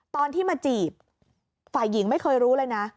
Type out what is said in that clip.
ตอนที่มาจีบฝ่ายหญิงไม่เคยรู้เลยนะ